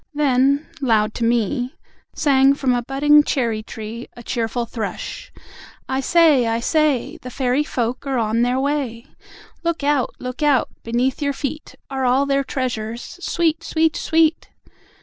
Then loud to me Sang from a budding cherry tree, A cheerful Thrush ... "I say! I say! The Fairy Folk are on their way. Look out! Look out! Beneath your feet, Are all their treasures: Sweet! Sweet! Sweet!